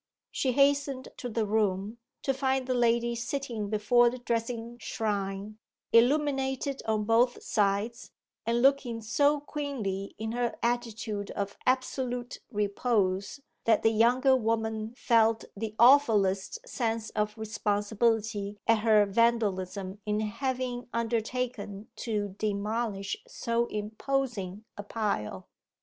She hastened to the room, to find the lady sitting before the dressing shrine, illuminated on both sides, and looking so queenly in her attitude of absolute repose, that the younger woman felt the awfullest sense of responsibility at her Vandalism in having undertaken to demolish so imposing a pile.